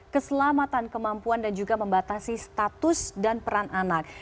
keselamatan kemampuan dan juga membatasi status dan peran anak